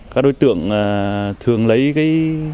các đối tượng thường lấy cái